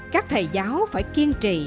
các thầy giáo phải kiên trì